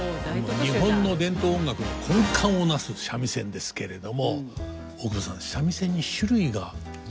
日本の伝統音楽の根幹を成す三味線ですけれども大久保さん三味線に種類があるって知ってますか？